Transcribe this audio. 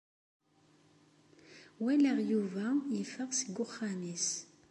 Walaɣ Yuba yeffeɣ seg uxxam-nnes.